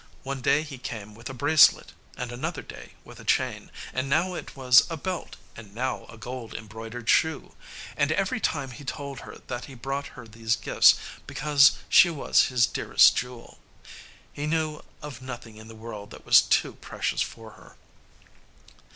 One day he came with a bracelet, and another day with a chain; and now it was a belt, and now a gold embroidered shoe. And every time he told her that he brought her these gifts, because she was his dearest jewel. He knew of nothing in the world that was too precious for her.